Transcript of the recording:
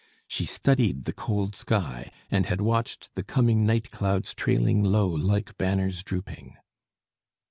She studied the cold sky, and had watched the "coming night clouds trailing low like banners drooping."